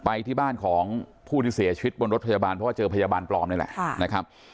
ไปที่บ้านของผู้ที่เสียชีวิตบนรถพยาบาลเพราะว่าเจอพยาบาลปลอมนี่แหละนะครับ